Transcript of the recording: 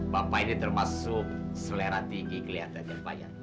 bapak ini termasuk selera tinggi kelihatannya banyak